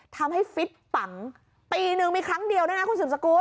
ฟิตปังปีนึงมีครั้งเดียวด้วยนะคุณสืบสกุล